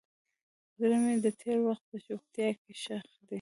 زړه مې د تېر وخت په چوپتیا کې ښخ شو.